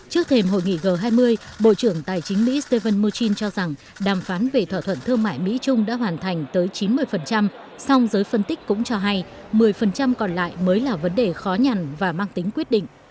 trước thêm hội nghị g hai mươi bộ trưởng tài chính mỹ stephen murchin cho rằng đàm phán về thỏa thuận thương mại mỹ trung đã hoàn thành tới chín mươi song giới phân tích cũng cho hay một mươi còn lại mới là vấn đề khó nhằn và mang tính quyết định